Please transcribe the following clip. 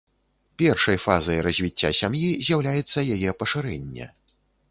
Першай фазай развіцця сям'і з'яўляецца яе пашырэнне.